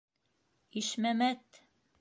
Ишмәмәт!